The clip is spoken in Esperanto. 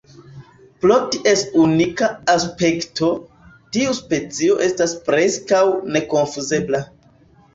Pro ties unika aspekto, tiu specio estas preskaŭ nekonfuzebla.